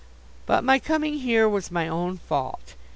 But my coming here was my own fault.